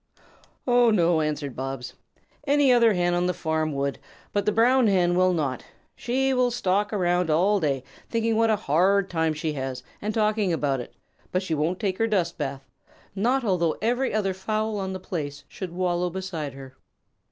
"Oh no," answered Bobs. "Any other Hen on the farm would, but the Brown Hen will not. She will stalk around all day thinking what a hard time she has and talking about it, but she won't take her dust bath, not although every other fowl on the place should wallow beside her."